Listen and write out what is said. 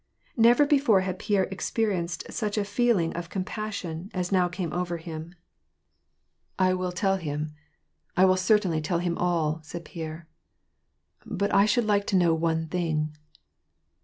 Never before had Pierre experienced Such a feeling o{ cccft passioij as uow came Qver klm, WAR AND PEACE, 391 " I will tell him, I will certainly tell him all," said Pierre. •* But I should like to know one thing."